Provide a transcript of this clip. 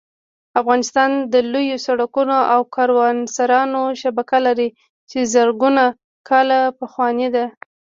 افغانستان د لویو سړکونو او کاروانسراوو شبکه لري چې زرګونه کاله پخوانۍ ده